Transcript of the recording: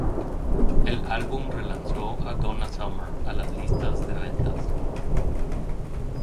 El álbum relanzó a Donna Summer a las listas de ventas.